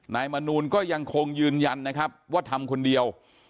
มนูลก็ยังคงยืนยันนะครับว่าทำคนเดียว